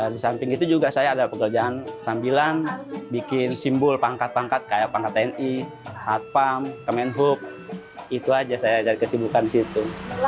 di samping itu juga saya ada pekerjaan sambilan bikin simbol pangkat pangkat kayak pangkat tni satpam kemenhub itu aja saya dari kesibukan di situ